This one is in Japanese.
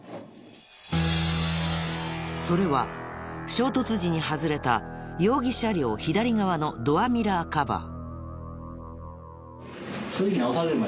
それは衝突時に外れた容疑車両左側のドアミラーカバー。